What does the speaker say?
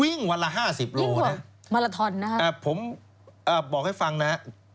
วิ่งวันละ๕๐กิโลกรัมผมบอกให้ฟังนะ